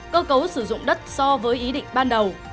cơ cấu sử dụng đất so với ý định ban đầu